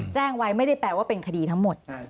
แจ้งไว้ไม่ได้แปลว่าเป็นคดีทั้งหมด